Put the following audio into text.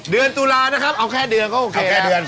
เดือนตุลานะครับเอาแค่เดือนก็โอเคแค่เดือน